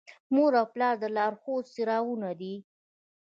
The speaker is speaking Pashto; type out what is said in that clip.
مور او پلار د لارښود څراغونه دي.